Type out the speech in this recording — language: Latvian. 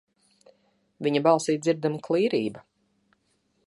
Viņa balsī dzirdama klīrība.